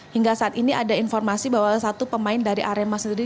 hingga saat ini ada informasi bahwa satu pemain dari arema sendiri